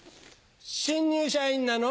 新入社員なの？